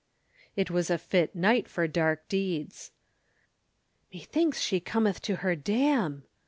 It was a fit night for dark deeds. "Methinks she cometh to her damn!"